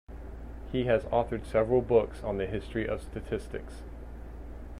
He has authored several books on the history of statistics.